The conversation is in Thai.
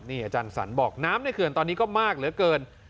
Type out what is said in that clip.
อาจารย์สรรบอกน้ำในเขื่อนตอนนี้ก็มากเหลือเกิน